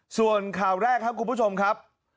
ส่วนข่าวแรกครับคุณผู้ชมครับ